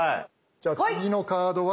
じゃあ次のカードは。